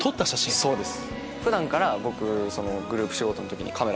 そうですね。